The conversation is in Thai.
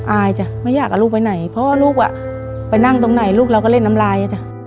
อายจ้ะไม่อยากเอาลูกไปไหนเพราะว่าลูกอ่ะไปนั่งตรงไหนลูกเราก็เล่นน้ำลายอ่ะจ้ะ